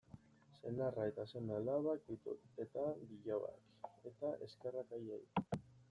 Senarra eta seme-alabak ditut, eta bilobak, eta eskerrak haiei.